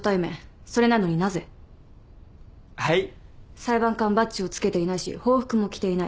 裁判官バッジを着けていないし法服も着ていない。